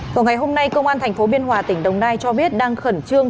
còn ngày hôm nay công an thành phố biên hòa tỉnh đồng nai cho biết đang khẩn trương